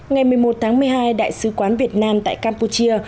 ngày một mươi một tháng một mươi hai đại sứ quán việt nam tại campuchia